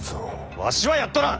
わしはやっとらん！